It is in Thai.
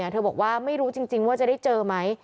เธอบอกว่าไม่รู้จริงว่าจะได้เจอไหม